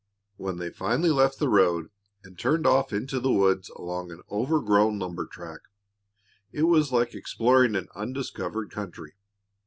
When they finally left the road and turned off into the woods along an overgrown lumber track, it was like exploring an undiscovered country.